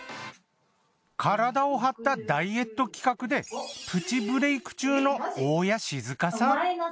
身体を張ったダイエット企画でプチブレーク中の大家志津香さん。